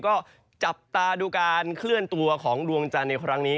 ก็จับตาดูการเคลื่อนตัวของดวงจันทร์ในครั้งนี้